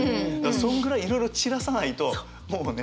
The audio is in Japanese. そんぐらいいろいろ散らさないともうね。